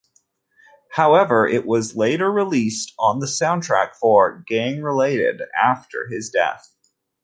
However, it was later released on the soundtrack for "Gang Related" after his death.